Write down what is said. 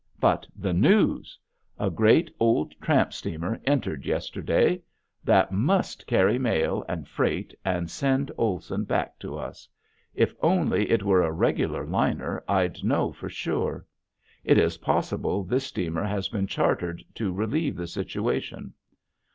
But the news! A great, old tramp steamer entered yesterday. That must carry mail and freight and send Olson back to us. If only it were a regular liner I'd know for sure. It is possible this steamer has been chartered to relieve the situation.